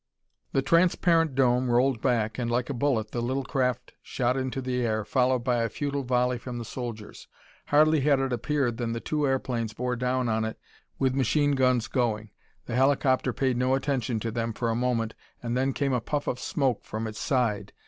The transparent dome rolled back and like a bullet the little craft shot into the air, followed by a futile volley from the soldiers. Hardly had it appeared than the two airplanes bore down on it with machine guns going. The helicopter paid no attention to them for a moment, and then came a puff of smoke from its side.